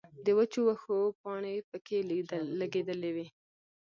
د وچو وښو پانې پکښې لګېدلې وې